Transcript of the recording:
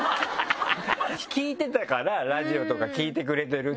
聞いてたからラジオとか聴いてくれてるっていうのを。